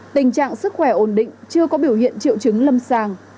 tình trạng sức khỏe ổn định chưa có biểu hiện triệu chứng lâm sàng